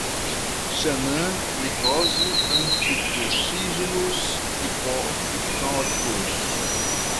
xanax, glicose, antitussígenos, hipnóticos